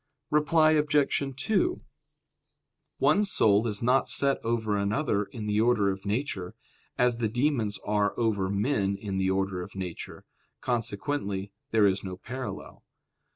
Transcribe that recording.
Reply Obj. 2: One soul is not set over another in the order of nature, as the demons are over men in the order of nature; consequently there is no parallel.